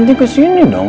nanti kesini dong